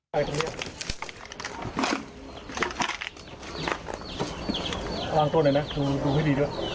ลองตัวหน่อยนะดูให้ดีด้วย